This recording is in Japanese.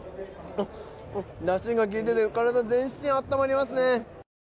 だしが利いていて体全身、温まりますね。